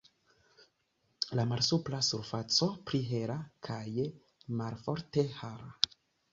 La malsupra surfaco pli hela kaj malforte hara.